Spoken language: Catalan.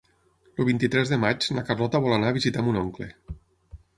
El vint-i-tres de maig na Carlota vol anar a visitar mon oncle.